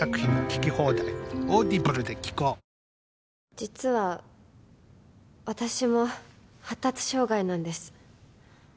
実は私も発達障害なんです。